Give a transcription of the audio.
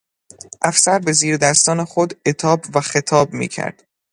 افسر به زیردستان خود عتاب و خطاب میکرد.